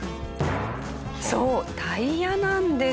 そうタイヤなんです。